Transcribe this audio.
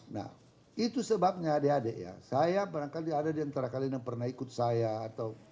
nah itu sebabnya adek adek ya saya barangkali ada diantara kalian yang pernah ikut saya atau